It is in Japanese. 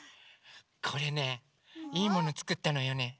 これねいいものつくったのよね。